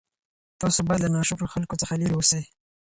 تاسي باید له ناشکرو خلکو څخه لیري اوسئ.